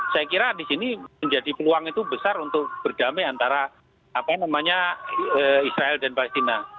saya kira di sini menjadi peluang itu besar untuk berdamai antara israel dan palestina